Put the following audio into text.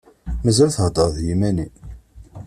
Mazal theddreḍ d yiman-im?